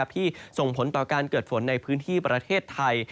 ที่ส่งผลต่อการเกิดฝนในพื้นที่ประเทศไทย